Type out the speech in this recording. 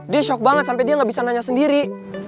dia shock banget sampai dia gak bisa nanya sendiri